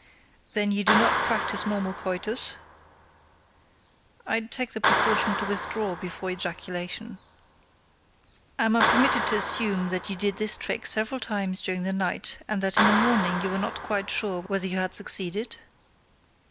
"Then you do not practice normal coitus?" "I take the precaution to withdraw before ejaculation." "Am I permitted to assume that you did this trick several times during the night, and that in the morning you were not quite sure whether you had succeeded?"